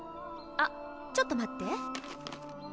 あっちょっと待って。